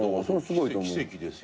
奇跡ですよ。